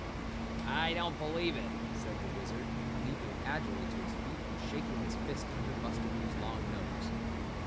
"I don't believe it," said the Wizard, leaping agilely to his feet and shaking his fist under Bustabo's long nose.